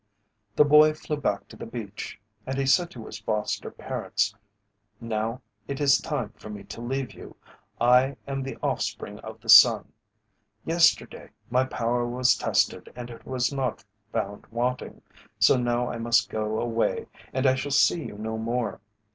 The boy flew back to the beach and he said to his foster parents, "Now it is time for me to leave you. I am the offspring of the sun. Yesterday my power was tested and it was not found wanting, so now I must go away and I shall see you no more.